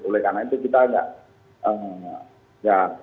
oleh karena itu kita nggak